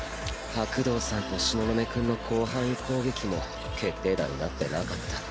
白道さんと東雲君の広範囲攻撃も決定打になってなかった。